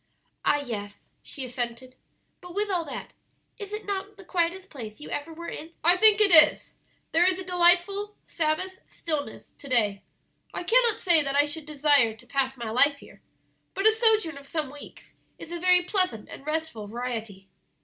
"Ah, yes," she assented; "but with all that, is it not the quietest place you ever were in?" "I think it is; there is a delightful Sabbath stillness to day. I cannot say that I should desire to pass my life here, but a sojourn of some weeks is a very pleasant and restful variety."